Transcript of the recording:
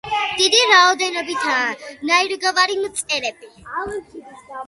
დიდი რაოდენობითაა ნაირგვარი მწერები.